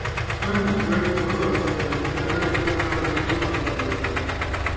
Arendusprojektide osalistel on nende rollist tulenevalt erinevad vaatenurgad.